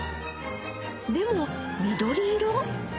でも緑色？